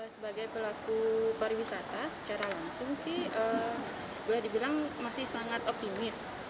sebagai pelaku pariwisata secara langsung sih boleh dibilang masih sangat optimis